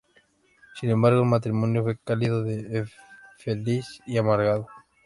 Sin embargo, el matrimonio fue calificado de infeliz y amargado.